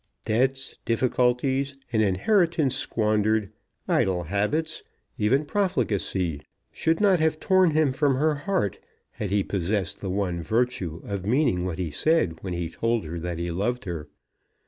Debts, difficulties, an inheritance squandered, idle habits, even profligacy, should not have torn him from her heart, had he possessed the one virtue of meaning what he said when he told her that he loved her.